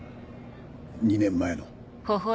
２年前の。